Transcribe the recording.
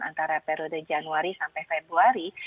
antara periode januari sampai februari